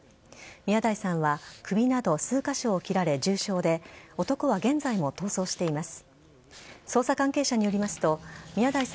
宮台さんは首など数カ所を切られ重傷で男は現在も逃走しています。